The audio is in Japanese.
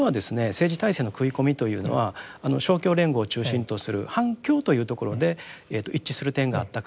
政治体制の食い込みというのは勝共連合を中心とする反共というところで一致する点があったからですよね。